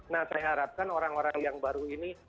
nah saya harapkan orang orang yang baru ini